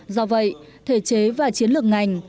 do vậy thể chế và chiến lược ngành